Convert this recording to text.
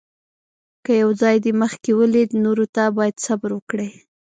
که یو ځای دې مخکې ولید، نورو ته باید صبر وکړې.